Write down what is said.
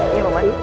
iya pak man